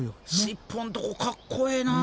尻尾んとこかっこええな。